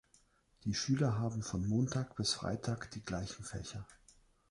Die Schüler haben von Montag bis Freitag die gleichen Fächer.